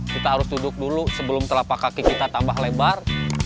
kita harus duduk dulu sebelum telapak kaki kita tambah lebar